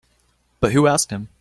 But who asked him?